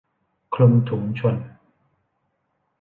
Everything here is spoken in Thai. คลุมถุงชน